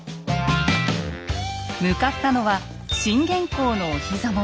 向かったのは信玄公のお膝元